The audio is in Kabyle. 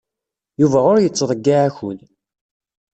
Yuba ur yettḍeyyiɛ akud.